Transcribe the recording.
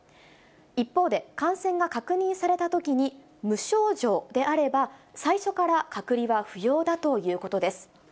一方で、感染が確認されたときに無症状であれば、最初から隔離は不要だということです。